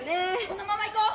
このまま行こう！